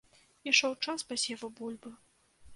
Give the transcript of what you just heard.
Ішоў час пасеву бульбы.